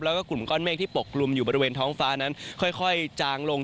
แล้วก็กลุ่มก้อนเมฆที่ปกลุ่มอยู่บริเวณท้องฟ้านั้นค่อยจางลง